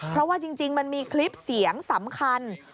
เพราะว่าจริงมันมีคลิปเสียงสำคัญ